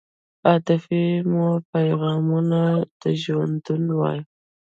عاطفې مو پیغامونه د ژوندون وای